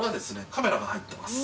カメラが入ってます。